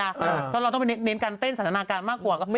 เพราะเราต้องไปเน้นการเต้นสันทนาการมากกว่า